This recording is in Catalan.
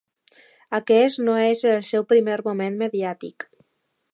Aquest no és el seu primer moment mediàtic.